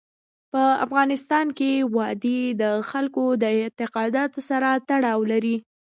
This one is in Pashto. په افغانستان کې وادي د خلکو د اعتقاداتو سره تړاو لري.